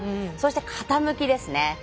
そして傾きですね。